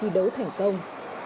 hãy đấu thành công